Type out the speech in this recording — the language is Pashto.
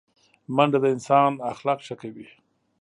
منډه د انسان اخلاق ښه کوي